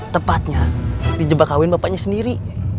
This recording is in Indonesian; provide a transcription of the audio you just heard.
tepatnya di jebak kawin bapaknya sendiri